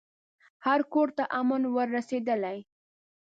هر کورته امن ور رسېدلی